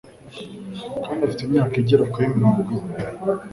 kandi afite imyaka igera kuri murongo ine